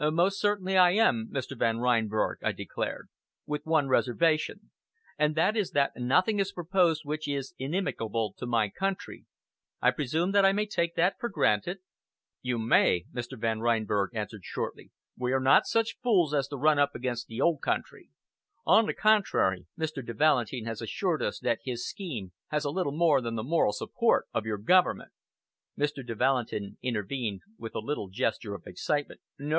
"Most certainly I am, Mr. Van Reinberg," I declared, "with one reservation, and that is that nothing is proposed which is inimical to my country. I presume that I may take that for granted?" "You may," Mr. Van Reinberg answered shortly. "We are not such fools as to run up against the old country. On the contrary, Mr. de Valentin has assured us that his scheme has a little more than the moral support of your government." Mr. de Valentin intervened with a little gesture of excitement. "No!"